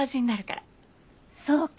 そうか！